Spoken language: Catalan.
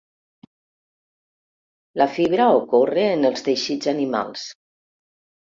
La fibra ocorre en els teixits animals.